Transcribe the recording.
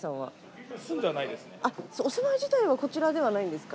お住まい自体はこちらではないんですか？